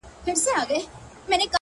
ما او تا د وخت له ښايستو سره راوتي يـو؛